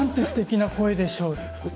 すてきな声でしょう。